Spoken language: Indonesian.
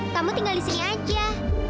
kamu tinggal di sini aja